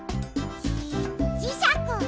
じじしゃく！